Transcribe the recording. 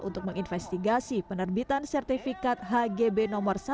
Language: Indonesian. untuk menginvestigasi penerbitan sertifikat hgb nomor satu ratus delapan puluh delapan